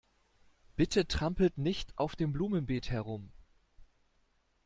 Bitte trampelt nicht auf dem Blumenbeet herum.